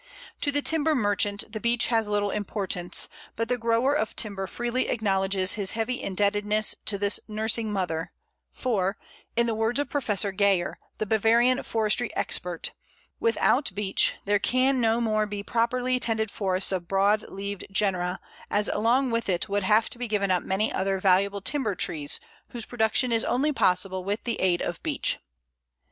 To the timber merchant the Beech has little importance, but the grower of timber freely acknowledges his heavy indebtedness to this nursing mother, for, in the words of Professor Gayer, the Bavarian forestry expert, "without Beech there can no more be properly tended forests of broad leaved genera, as along with it would have to be given up many other valuable timber trees, whose production is only possible with the aid of Beech."